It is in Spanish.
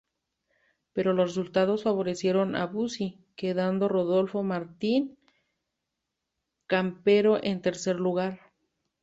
Pero los resultados favorecieron a Bussi, quedando Rodolfo Martín Campero en tercer lugar.